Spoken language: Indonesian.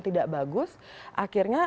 tidak bagus akhirnya